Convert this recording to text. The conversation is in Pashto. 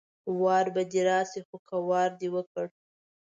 وار به دې راشي خو که وار دې وکړ